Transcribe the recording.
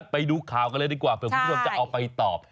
ไปดูข่าวกันเลยดีกว่าเผื่อคุณผู้ชมจะเอาไปตอบ